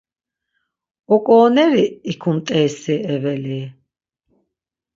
Oǩooneri ikumt̆eysi eveli?